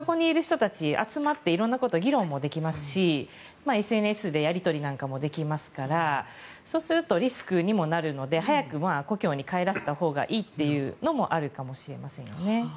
だから、ロックダウンするには便利は便利なんですけどそこにいる人たちは集まって色んなことも議論ができますしＳＮＳでやり取りなんかもできますからそうすると、リスクにもなるので早く故郷に帰らせたほうがいいというのもあるかもしれないですね。